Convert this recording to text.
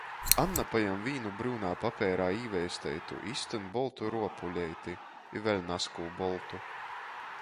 Anna pajam vīnu bryunā papeirā īveisteitu i iztyn boltu ruopuleiti i vēļ nazkū boltu.